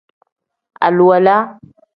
Aluwala.